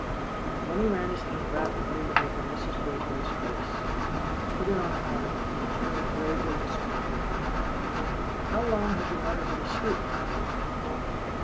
Then he ran his hand rapidly over Mrs. Waverlee's face, put it on her heart, and turned gravely to small Egbert: "How long has your mother been asleep, my boy?"